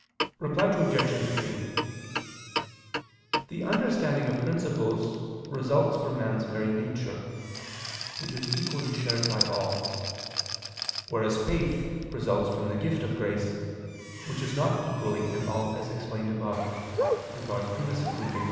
Reply Obj. 3: The understanding of principles results from man's very nature, which is equally shared by all: whereas faith results from the gift of grace, which is not equally in all, as explained above (I II, Q.